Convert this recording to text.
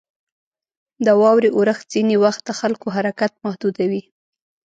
• د واورې اورښت ځینې وخت د خلکو حرکت محدودوي.